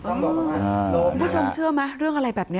คุณผู้ชมเชื่อไหมเรื่องอะไรแบบนี้